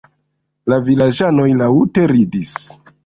La vilaĝanoj laŭte ridis.